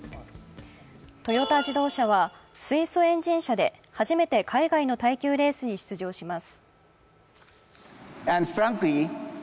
トヨタ自動車は水素エンジン車で初めて海外の耐久レースに出場します。